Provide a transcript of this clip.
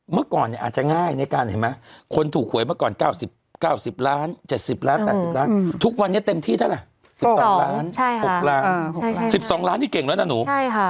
เมื่อก่อน๙๐จน๙๐ล้าน๗๐ล้าน๓๐ล้านทุกวันนี้เต็มที่เท่าไหร่๖ล้าน๑๒ล้านนี่เก่งแล้วนะหนู